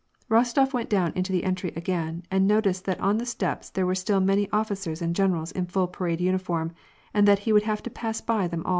Rostof went down into the entry again, and noticed that on the steps there were still many officers and generals in full parade uniform, and that he would have to pass by them aU.